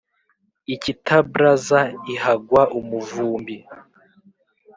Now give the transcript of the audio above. i kitabraza ihagwa umuvumbi